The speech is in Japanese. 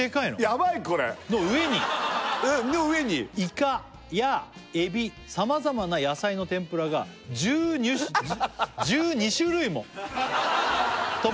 ヤバいこれ「の上に」の上に「イカやエビ様々な野菜の天ぷらが１２種」「１２種類もトッピングされた」